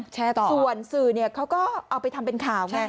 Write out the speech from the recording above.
ส่วนสื่อเขาก็เอาไปทำเป็นข่าว